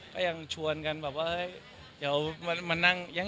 ก็ยังชวนกันแบบว่าเฮ้ยเดี๋ยวมานั่ง